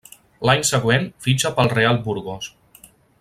L'any següent fitxa pel Real Burgos.